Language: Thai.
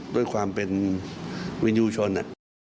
ด้วยความเป็นวินยูชน